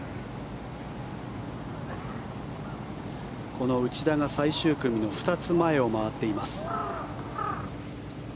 この内田が最終組の２つ前を回っています。